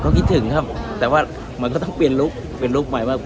ก็คิดถึงครับแต่ว่ามันก็ต้องเปลี่ยนลุคเปลี่ยนลุคใหม่มาก